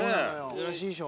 珍しいでしょ。